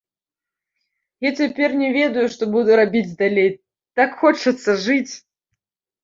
Я цяпер не ведаю, што буду рабіць далей, так хочацца жыць!